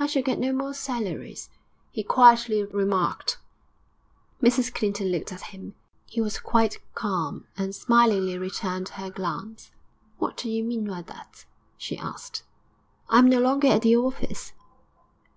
'I shall get no more salaries,' he quietly remarked. Mrs Clinton looked at him; he was quite calm, and smilingly returned her glance. 'What do you mean by that?' she asked. 'I am no longer at the office.'